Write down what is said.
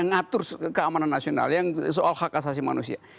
ngatur keamanan nasional yang soal hak asasi manusia